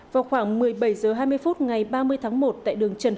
vào khoảng một mươi bảy h hai mươi phút ngày ba mươi tháng một tại đường trần